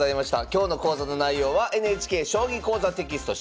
今日の講座の内容は「ＮＨＫ将棋講座」テキスト